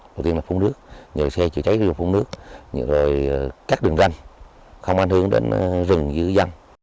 thứ tiên là phun nước nhờ xe chữa cháy phun nước nhờ rồi cắt đường răng